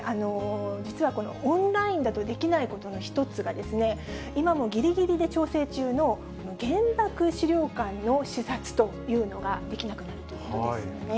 実はこのオンラインだとできないことの一つが、今もぎりぎりで調整中の原爆資料館の視察というのが、できなくなるということですよね。